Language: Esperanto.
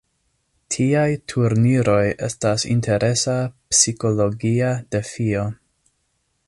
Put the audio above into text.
Tiaj turniroj estas interesa psikologia defio.